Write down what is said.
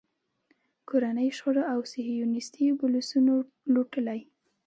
کورنیو شخړو او صیهیونېستي بلوسنو لوټلی.